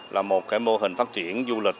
là một mô hình phát triển du lịch